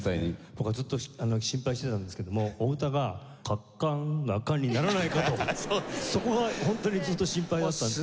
僕はずっと心配してたんですけどもお歌が「かかんがかん」にならないかとそこがホントにずっと心配だったんですけど。